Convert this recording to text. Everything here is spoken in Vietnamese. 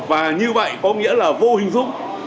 và như vậy có nghĩa là vô hình dung